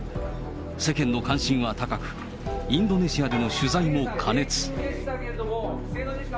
世間の関心は高く、インドネシアでの取材も過熱。